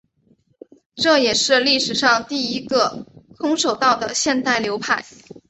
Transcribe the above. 这也是历史上第一个空手道的现代流派。